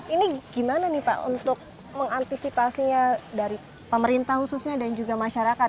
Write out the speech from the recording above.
ini gimana nih pak untuk mengantisipasinya dari pemerintah khususnya dan juga masyarakat